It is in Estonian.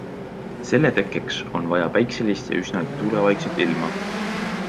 Selle tekkeks on vaja päikeselist ja üsnagi tuulevaikset ilma.